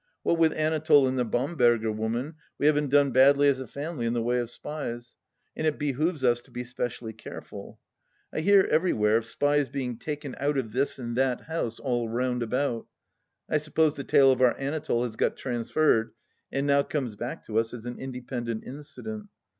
What with Anatole and the Bamberger woman, we haven't done badly as a family in the way of spies, and it behoves us to be speci ally careful. I hear everywhere of spies being taken out of this and that house all round about ; I suppose the tale of our Anatole has got transferred, and now oomes back to us as an independent incident.